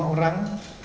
ada lima orang